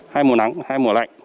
hai mùa nắng hai mùa lạnh